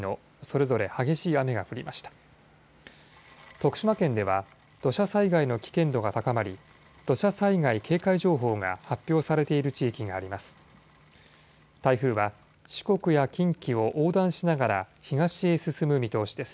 徳島県では土砂災害の危険度が高まり土砂災害警戒情報が発表されている地域があります。